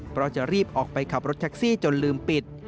เพราะจะรีบออกไปขับรถแท็กซี่จนลืมปิด